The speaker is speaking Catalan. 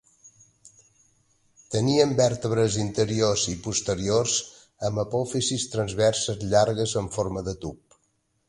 Tenien vèrtebres interiors i posteriors amb apòfisis transverses llargues en forma de tub.